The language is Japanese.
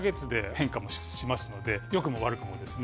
よくも悪くもですね。